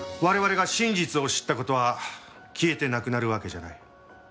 我々が真実を知った事は消えてなくなるわけじゃない。